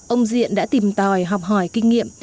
ông diện đã tìm tòi học hỏi kinh nghiệm